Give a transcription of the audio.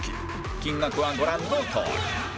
金額はご覧のとおり